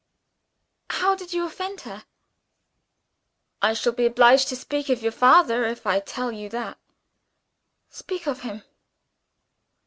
"How did you offend her?" "I shall be obliged to speak of your father if I tell you how?" "Speak of him."